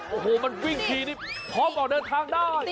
โอ้โหมันวิ่งทีนี่พร้อมออกเดินทางได้